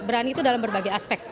berani itu dalam berbagai aspek